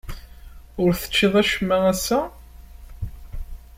Ur teččiḍ acemma ass-a?